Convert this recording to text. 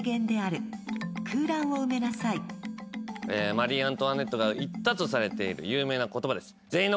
マリー・アントワネットが言ったとされている有名な言葉です。